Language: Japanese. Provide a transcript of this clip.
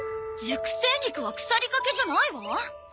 熟成肉は腐りかけじゃないわ！